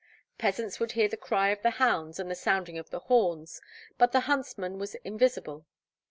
Peasants would hear the cry of the hounds and the sounding of the horns, but the huntsman was invisible.